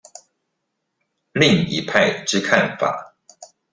另一派之看法